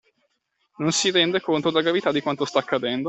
Non si rende conto della gravità di quanto sta accadendo?